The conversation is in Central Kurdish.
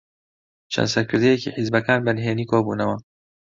چەند سەرکردەیەکی حیزبەکان بەنهێنی کۆبوونەوە.